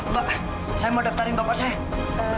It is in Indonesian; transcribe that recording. mbak saya mau daftarin bapak saya